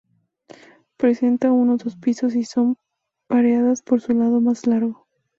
Presentan uno o dos pisos, y son pareadas por su lado más largo.